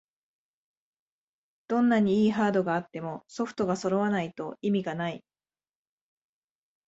どんなに良いハードがあってもソフトがそろわないと意味がない